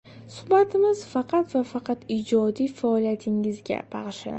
Suhbatimiz faqat va faqat ijodiy faoliyatingizga bag‘ishlanadi.